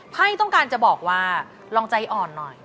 ไพ่ต้องการจะบอกว่าลองใจอ่อนหน่อย